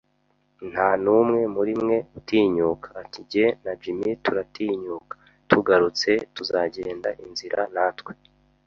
nta n'umwe muri mwe utinyuka, "ati:" Jye na Jim turatinyuka. Tugarutse tuzagenda, inzira natwe